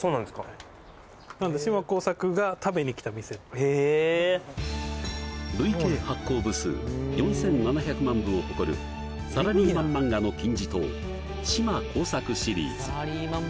はいなのでへえ累計発行部数４７００万部を誇るサラリーマン漫画の金字塔「島耕作」シリーズ